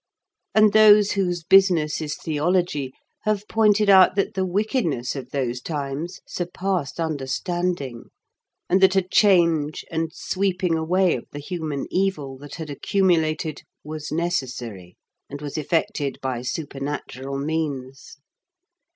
And those whose business is theology have pointed out that the wickedness of those times surpassed understanding, and that a change and sweeping away of the human evil that had accumulated was necessary, and was effected by supernatural means.